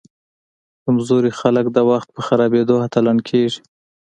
کمزوري خلک د وخت په خرابیدو اتلان کیږي.